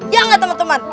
ya gak temen temen